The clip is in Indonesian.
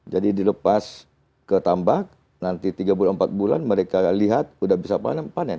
jadi dilepas ke tambak nanti tiga empat bulan mereka lihat sudah bisa panen